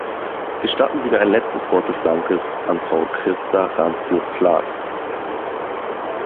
Gestatten Sie mir ein letztes Wort des Dankes an Frau Christa Randzio-Plath.